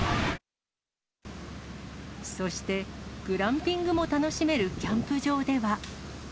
そして、グランピングも楽しめるキャンプ場では。